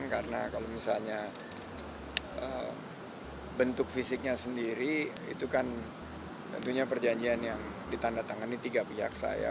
karena kalau misalnya bentuk fisiknya sendiri itu kan tentunya perjanjian yang ditanda tangan di tiga pihak saya